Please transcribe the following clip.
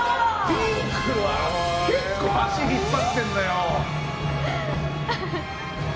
ピンクは結構足引っ張ってんだよ。